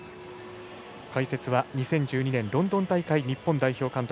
解説は２０１２年ロンドン大会日本代表監督